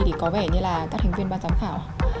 thì có vẻ như là các thành viên ban giám khảo